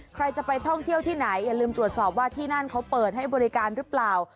ใครจะไปท่องเที่ยวที่ไหนอย่าลืมตรวจสอบว่าที่นั่นเขาเปิดให้บริการหรือเปล่า